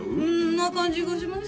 な感じがします